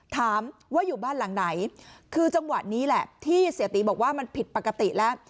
ถามว่าอยู่บ้านหลังไหนคือจังหวะนี้แหละที่เสียตีบอกว่ามันผิดปกติแล้ว